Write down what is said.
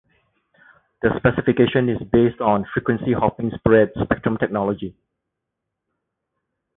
The specification is based on frequency-hopping spread spectrum technology.